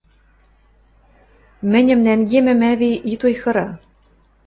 – Мӹньӹм нӓнгемӹм, ӓви, ит ойхыры...